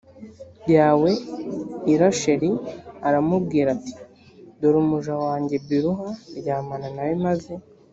yawe i rasheli aramubwira ati dore umuja wanjye biluha ryamana na we maze